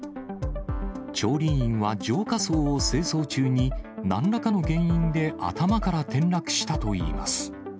調理員は浄化槽を清掃中に、なんらかの原因で頭から転落したといいます。